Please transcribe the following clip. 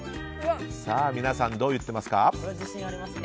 皆さん、どう言っていますか？